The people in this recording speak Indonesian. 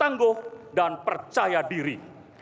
tangguh dan percaya diri